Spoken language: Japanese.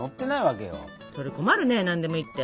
それ困るね何でもいいって。